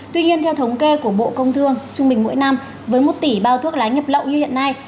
tuy nhiên theo thống kê của bộ công thương trung bình mỗi năm với một tỷ bao thuốc lá nhập lậu như hiện nay